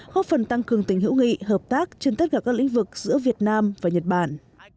góp phần tăng cường tình hữu nghị hợp tác trên tất cả các lĩnh vực giữa việt nam và nhật bản